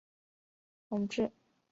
弘治元年致仕。